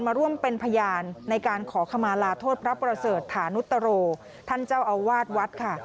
มาร่วมเป็นพยานในการขอขมาลาโทษพระประเสริฐฐานุตโรท่านเจ้าอาวาสวัดค่ะ